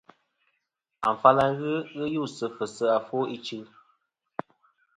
Afal a ghɨ ghɨ us sɨ fɨsi ɨfwo ichɨ.